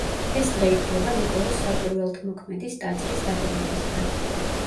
ეს დღე ითვლება ნიკოლოზ საკვირველთმოქმედის ტაძრის დაბადების დღედ.